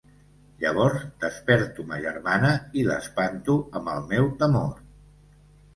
Llavors desperto ma germana i l'espanto amb el meu temor.